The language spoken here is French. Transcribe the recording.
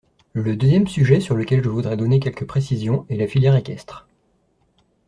Le deuxième sujet sur lequel je voudrais donner quelques précisions est la filière équestre.